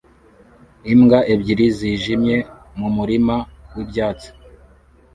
Imbwa ebyiri zijimye mumurima wibyatsi